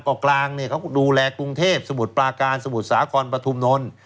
ก็กลางเขาดูแลกรุงเทพฯสมุทรปลาการสมุทรสาคอนปทุมนล